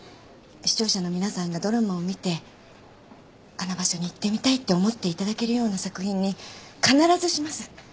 視聴者の皆さんがドラマを見てあの場所に行ってみたいって思っていただけるような作品に必ずします。